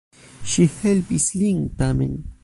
Ŝi helpis lin, tamen.